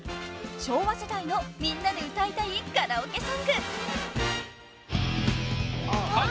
［昭和世代の「みんなで歌いたいカラオケ曲」］